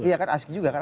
iya kan asik juga kan